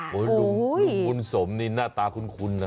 โอ้โหลุงบุญสมนี่หน้าตาคุ้นนะ